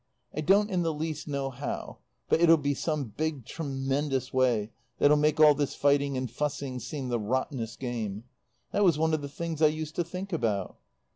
I don't in the least know how, but it'll be some big, tremendous way that'll make all this fighting and fussing seem the rottenest game. That was one of the things I used to think about."